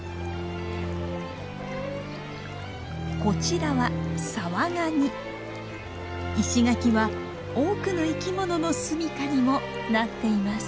こちらは石垣は多くの生き物の住みかにもなっています。